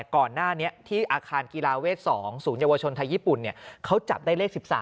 ก่อนหน้านี้ที่อาคารกีฬาเวท๒ศูนยวชนไทยญี่ปุ่นเขาจับได้เลข๑๓